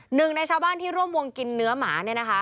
หนึ่งในชาวบ้านที่ร่วมวงกินเนื้อหมาเนี่ยนะคะ